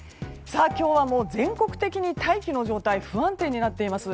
今日は全国的に大気の状態不安定になっています。